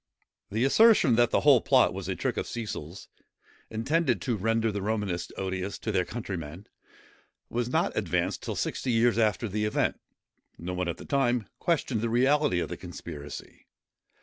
The assertion that the whole plot was a trick of Cecil's, intended to render the Romanists odious to their countrymen, was not advanced till sixty years after the event. No one at the time questioned the reality of the conspiracy.